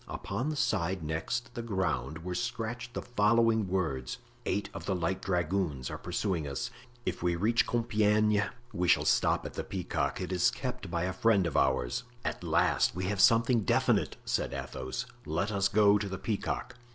Upon the side next the ground were scratched the following words: "Eight of the light dragoons are pursuing us. If we reach Compiegne we shall stop at the Peacock. It is kept by a friend of ours." "At last we have something definite," said Athos; "let us go to the Peacock."